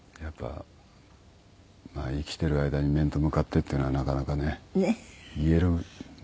まあ生きてる間に面と向かってっていうのはなかなかね言える。